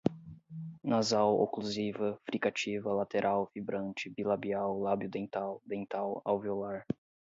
Nasal, oclusiva, fricativa, lateral, vibrante, bilabial, labio-dental, dental, alveolar